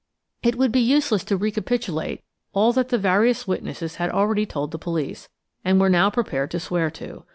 It would be useless to recapitulate all that the various witnesses had already told the police, and were now prepared to swear to.